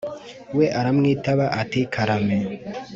We aramwitaba ati karame